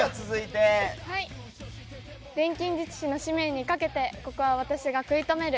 錬金術師の使命にかけてここは私が食い止める！